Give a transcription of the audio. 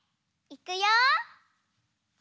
いくよ。